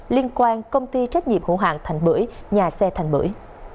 liên quan công ty trách nhiệm hữu hạng thành bưởi nhà xe thành bưởi